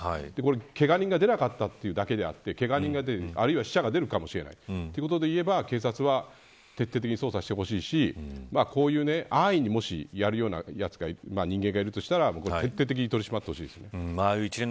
けが人が出なかったというだけであってけが人や、あるいは死者が出るかもしれないということで言えば警察は徹底的に捜査してほしいしこういう安易にやりような人間がいるとしたら徹底的に取り締まってほしいですね。